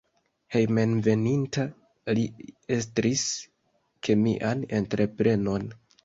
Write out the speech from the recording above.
Hejmenveninta li estris kemian entreprenon.